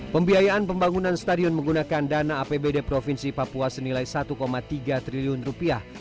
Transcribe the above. pembiayaan pembangunan stadion menggunakan dana apbd provinsi papua senilai satu tiga triliun rupiah